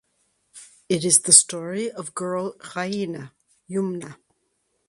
It is the story of girl Raina (Yumna).